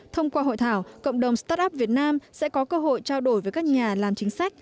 thông qua hội thảo cộng đồng start up việt nam sẽ có cơ hội trao đổi với các nhà làm chính sách